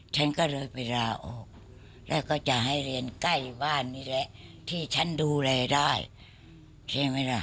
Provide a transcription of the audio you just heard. ฉันก็เลยไปลาออกแล้วก็จะให้เรียนใกล้บ้านนี่แหละที่ฉันดูแลได้ใช่ไหมล่ะ